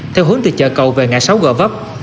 theo hướng từ chợ cầu về ngã sáu g vấp